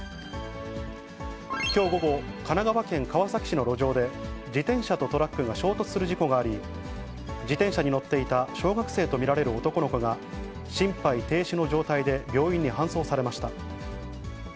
きょう午後、神奈川県川崎市の路上で、自転車とトラックが衝突する事故があり、自転車に乗っていた小学生と見られる男の子が、心肺停止の状態で病院に搬送されました。